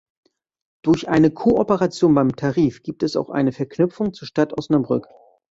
Durch eine Kooperation beim Tarif gibt es auch eine Verknüpfung zur Stadt Osnabrück.